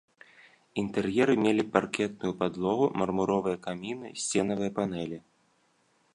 Інтэр'еры мелі паркетную падлогу, мармуровыя каміны, сценавыя панэлі.